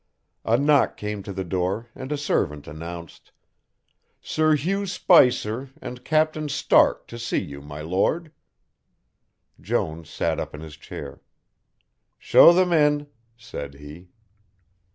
A knock came to the door and a servant announced: "Sir Hugh Spicer and Captain Stark to see you, my Lord." Jones sat up in his chair. "Show them in," said he.